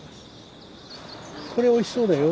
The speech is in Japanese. これおいしそうだよ。